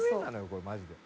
これマジで」